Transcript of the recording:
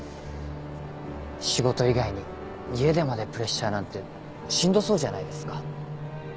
仕事以外に家でまでプレッシャーなんてしんどそうじゃないですか。